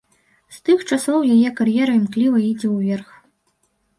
З тых часоў яе кар'ера імкліва ідзе ўверх.